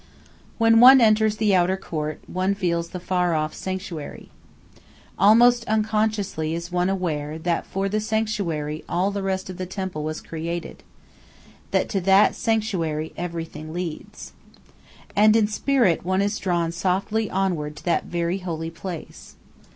When one enters the outer court, one feels the far off sanctuary. Almost unconsciously one is aware that for that sanctuary all the rest of the temple was created; that to that sanctuary everything tends. And in spirit one is drawn softly onward to that very holy place.